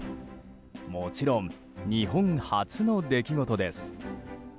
もちろん日本初の出来事です。